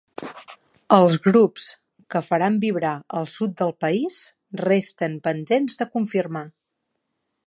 Els grups que faran vibrar el sud del país resten pendents de confirmar.